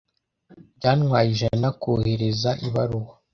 Byantwaye ijana kohereza ibaruwa.